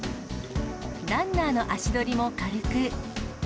ランナーの足取りも軽く。